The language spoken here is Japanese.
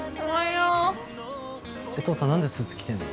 えっ父さん何でスーツ着てんの？